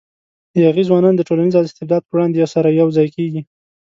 یاغي ځوانان د ټولنیز استبداد پر وړاندې سره یو ځای کېږي.